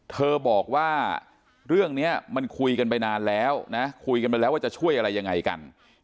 เธอบอกว่าเรื่องนี้มันคุยกันไปนานแล้วนะคุยกันไปแล้วว่าจะช่วยอะไรยังไงกัน